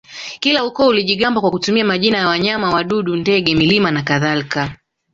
Kila ukoo ulijigamba kwa kutumia majina ya wanyama wadudu ndege milima na kadhalika